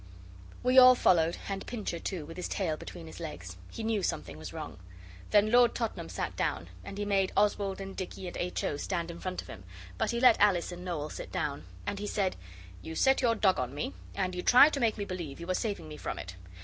We all followed, and Pincher too, with his tail between his legs he knew something was wrong. Then Lord Tottenham sat down, and he made Oswald and Dicky and H. O. stand in front of him, but he let Alice and Noel sit down. And he said 'You set your dog on me, and you tried to make me believe you were saving me from it.